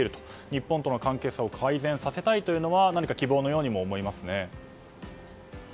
日本との関係性を改善させたいというのは何か希望のようにも思えますね。